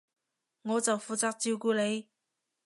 我就負責照顧你